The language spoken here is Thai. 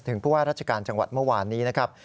ผู้ว่าราชการจังหวัดเมื่อวานนี้นะครับ